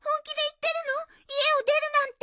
家を出るなんて。